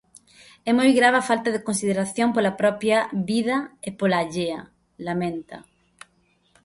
"É moi grave a falta de consideración pola propia vida e pola allea", lamenta.